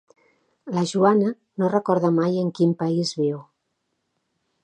La Joana no recorda mai en quin país viu.